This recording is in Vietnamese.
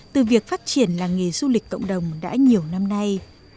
từ việc phát triển làng nghề du lịch cộng đồng đã nhiều năm nay